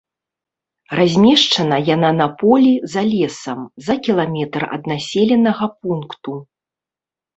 Размешчана яна на полі за лесам, за кіламетр ад населенага пункту.